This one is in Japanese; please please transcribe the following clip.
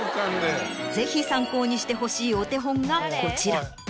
ぜひ参考にしてほしいお手本がこちら。